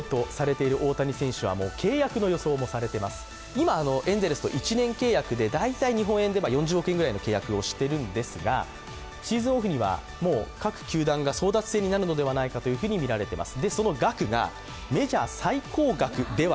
今、エンゼルスと１年契約で、日本円で大体４０億円の契約をしているんですが、シーズンオフには各球団が争奪戦になるのではないかというふうにみられてます。